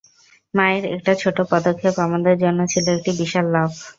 মায়ের একটা ছোট পদক্ষেপ আমাদের জন্য ছিল একটা বিশাল লাফ।